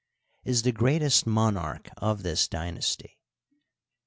is the greatest monarch of this dynasty.